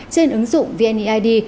trên ứng dụng vneid